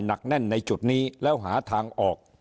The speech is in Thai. หนักแน่นในจุดนี้แล้วหาทางออก